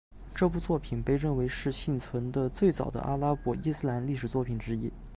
这部作品被认为是幸存的最早的阿拉伯伊斯兰历史作品之一。